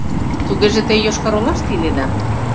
— Тугеже те Йошкар-Олаште иледа?